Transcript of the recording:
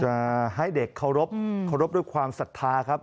จะให้เด็กเคารพเคารพด้วยความศรัทธาครับ